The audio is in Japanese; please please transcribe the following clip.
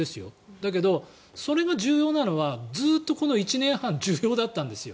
だけど、それが重要なのはずっとこの１年半重要だったんですよ。